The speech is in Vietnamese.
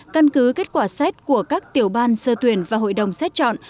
căn cứ kết quả xét của các tiểu ban sơ tuyển và hội đồng xét chọn